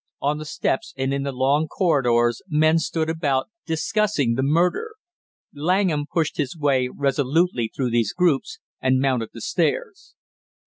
On the steps and in the long corridors, men stood about, discussing the murder. Langham pushed his way resolutely through these groups and mounted the stairs.